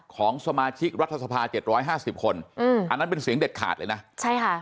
ของสมาชิกรัฐสภา๗๕๐คนอันนั้นเป็นเสียงเด็ดขาดเลยนะใช่ค่ะ